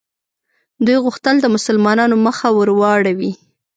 دوی غوښتل د مسلمانانو مخه ور واړوي.